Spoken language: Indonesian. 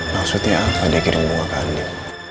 maksudnya apa dia kirim bunga ke andi